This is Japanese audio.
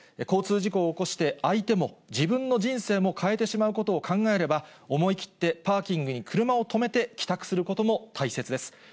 交通事故を起こして、相手も、自分の人生も変えてしまうことを考えれば、思い切ってパーキングに車を止めて、帰宅することも大切です。